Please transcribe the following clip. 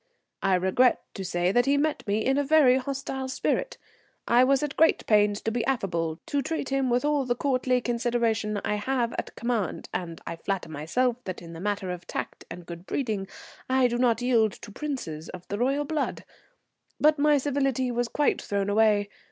I regret to say that he met me in a very hostile spirit. I was at great pains to be affable, to treat him with all the courtly consideration I have at command, and I flatter myself that in the matter of tact and good breeding I do not yield to princes of the blood royal. But my civility was quite thrown away.